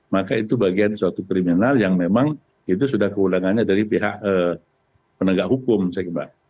maka itu bagian suatu kriminal yang memang itu sudah keundangannya dari pihak penegak hukum saya kira